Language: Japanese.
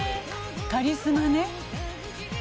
カリスマね。